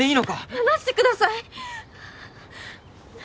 離してください！